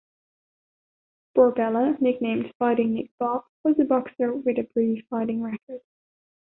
Barbella, nicknamed "Fighting Nick Bob", was a boxer with a brief fighting record.